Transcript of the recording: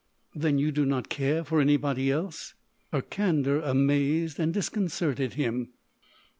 "Then you do not care for anybody else?" Her candour amazed and disconcerted him.